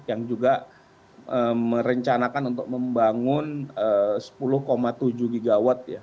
yang juga merencanakan untuk membangun sepuluh tujuh gigawatt ya